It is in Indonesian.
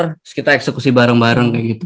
terus kita eksekusi bareng bareng kayak gitu